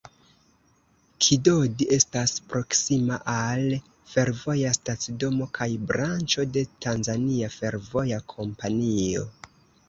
Kidodi estas proksima al fervoja stacidomo kaj branĉo de Tanzania Fervoja Kompanio.